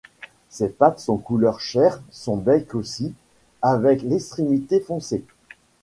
Ses pattes sont couleur chair, son bec aussi, avec l'extrémité foncée.